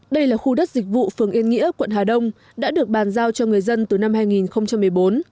đây là khu đất dịch vụ phường yên nghĩa quận hà đông đã được bàn giao cho người dân từ năm hai nghìn một mươi bốn